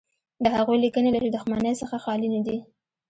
د هغوی لیکنې له دښمنۍ څخه خالي نه دي.